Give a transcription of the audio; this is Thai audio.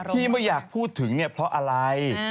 ที่ไม่อยากพูดถึงเนี่ยเพราะอะไร